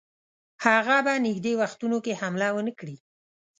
هغه په نیژدې وختونو کې حمله ونه کړي.